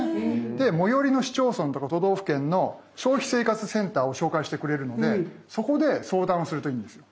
で最寄りの市町村とか都道府県の消費生活センターを紹介してくれるのでそこで相談するといいんですよ。